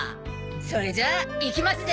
それじゃあいきますぜ。